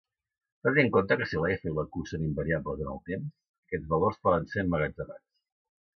S'ha de tenir en compte que si la "F" i la "Q" són invariables en el temps, aquests valors poden ser emmagatzemats.